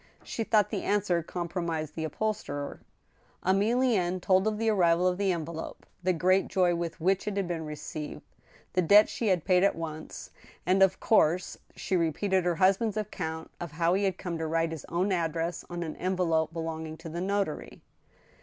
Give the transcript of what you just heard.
She thought the answer compromised the upholsterer. Emilienne told of the arrival of the envelope, the great joy with which it had been received, the debts she had paid at once, and, of THE TWO WIVES, 141 course, she repeated her husband's account of how he came to write his own address on an envelope belonging to the notary.